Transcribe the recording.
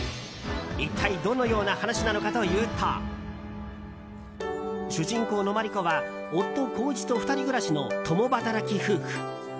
一体どのような話なのかというと主人公の真理子は夫・孝一と２人暮らしの共働き夫婦。